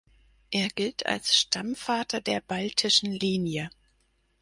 Er gilt als Stammvater der baltischen Linie.